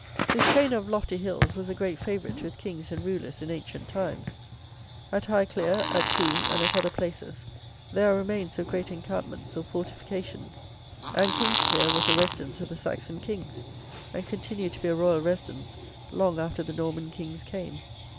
This chain of lofty hills was a great favourite with Kings and rulers in ancient times. At Highclere, at Combe, and at other places, there are remains of great encampments, or fortifications; and Kingsclere was a residence of the Saxon Kings, and continued to be a royal residence long after the Norman Kings came.